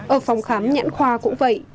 ở phòng khám nhãn khoa cũng vậy